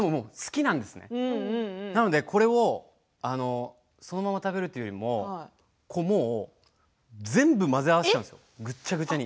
これをそのまま食べるというよりも、もう全部混ぜ合わせてるんですぐちゃぐちゃに。